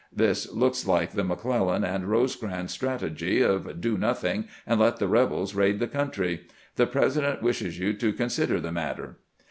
This looks like the McClellan and Eosecrans strategy of do nothing and let the rebels raid the country. The President wishes you to consider the matter."